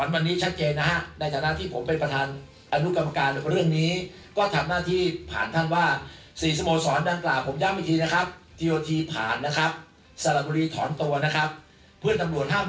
วิธีที่ผมได้รับความหมายจากท่านท่านโนเติร์นอ่านก็คงจบ